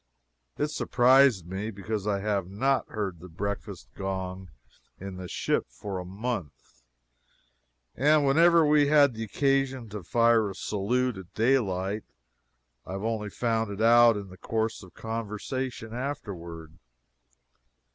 It surprised me, because I have not heard the breakfast gong in the ship for a month, and whenever we have had occasion to fire a salute at daylight, I have only found it out in the course of conversation afterward.